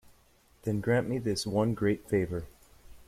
Then grant me this one great favour.